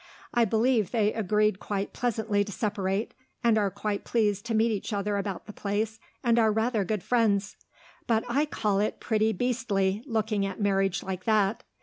I believe they agreed quite pleasantly to separate, and are quite pleased to meet each other about the place, and are rather good friends. But I call it pretty beastly, looking at marriage like that.